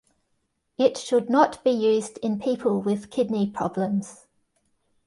It should not be used in people with kidney problems.